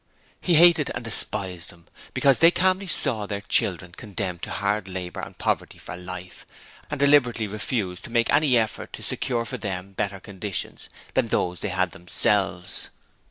He hated and despised them because they calmly saw their children condemned to hard labour and poverty for life, and deliberately refused to make any effort to secure for them better conditions than those they had themselves.